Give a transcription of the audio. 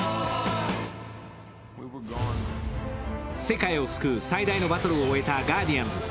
世界を救う最大のバトルを終えたガーディアンズ。